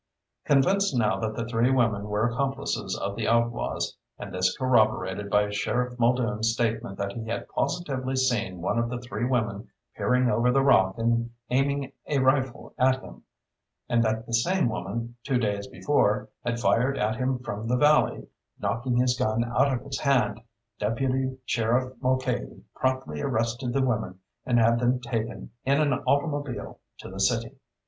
Convinced now that the three women were accomplices of the outlaws and this corroborated by Sheriff Muldoon's statement that he had positively seen one of the three women peering over the rock and aiming a rifle at him, and that the same woman, two days before, had fired at him from the valley, knocking his gun out of his hand Deputy Sheriff Mulcahy promptly arrested the women and had them taken in an automobile to the city.